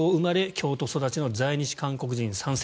京都育ちの在日韓国人３世。